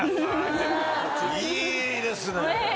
いいですね！